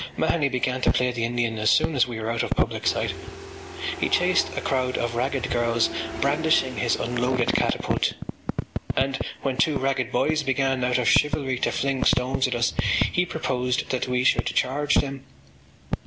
Mahony began to play the Indian as soon as we were out of public sight. He chased a crowd of ragged girls, brandishing his unloaded catapult and, when two ragged boys began, out of chivalry, to fling stones at us, he proposed that we should charge them.